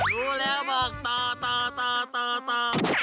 รู้แล้วบอกตา